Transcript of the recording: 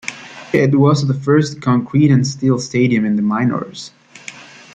It was the first concrete-and-steel stadium in the minors.